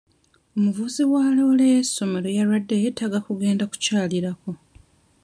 Omuvuzi wa loole y'essomero yalwadde yeetaaga kugenda kukyalirako.